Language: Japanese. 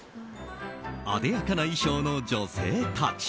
あでやかな衣装の女性たち。